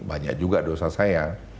banyak juga dosa saya